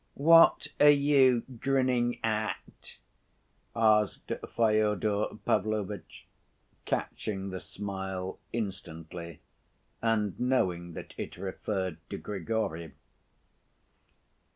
"What are you grinning at?" asked Fyodor Pavlovitch, catching the smile instantly, and knowing that it referred to Grigory.